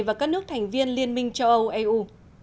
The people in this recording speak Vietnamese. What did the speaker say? và các nước thành viên liên minh châu âu eu